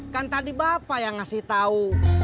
kan tadi bapak yang ngasih tahu